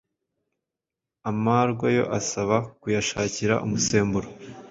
Amarwa yo asaba kuyashakira umusemburo